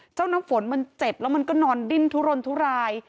น้ำฝนมันเจ็บแล้วมันก็นอนดิ้นทุรนทุราย